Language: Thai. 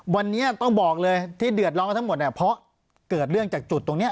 วันนี้ต้องบอกเลยที่เดือดร้อนทั้งหมดเนี่ยเพราะเกิดเรื่องจากจุดตรงนี้